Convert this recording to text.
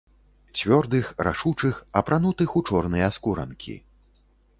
Цвёрдых, рашучых, апранутых у чорныя скуранкі.